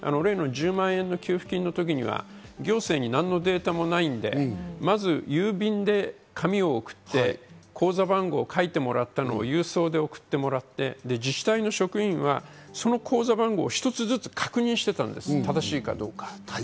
例の１０万円の給付金の時には行政に何のデータもないんで、まず郵便で紙を送って口座番号を書いてもらったのを郵送で送ってもらって、自治体の職員はその口座番号を一つずつ確認していたんです、正しいかどうか。